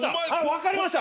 分かりました！